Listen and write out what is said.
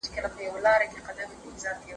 زه غواړم چې په راتلونکي کې یو تکړه مالدار شم.